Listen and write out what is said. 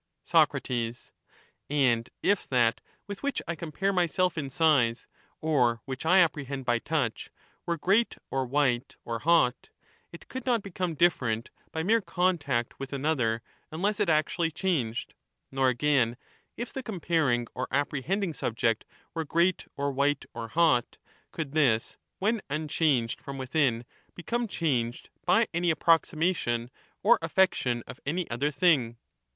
Soc, And if that with which I compare myself in size\ or which I apprehend by touch, were great or white or hot, it could not become different by mere contact with another unless it actually changed; nor again, if the comparing or apprehending subject were great or white or hot, could this, when unchanged from within, become changed by any ap proximation or affection of any other thing.